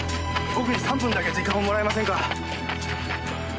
僕に３分だけ時間をもらえませんか？